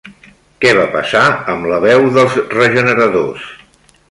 Què va passar amb la veu dels regeneradors?